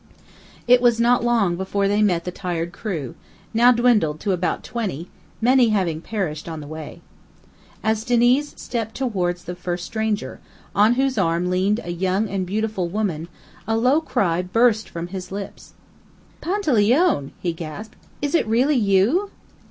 It was not long before they met the tired crew, now dwindled to about twenty, many having perished on the way. As Diniz stepped towards the first stranger, on whose arm leaned a young and beautiful woman, a low cry burst from his lips. "Panteleone!" he gasped, "is it really you?"